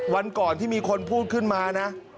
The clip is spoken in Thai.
วันก่อนที่มีคนพูดขึ้นมานะ